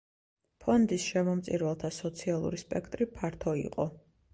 ფონდის შემომწირველთა სოციალური სპექტრი ფართო იყო.